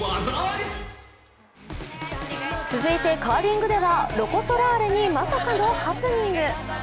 続いてカーリングではロコ・ソラーレにまさかのハプニング。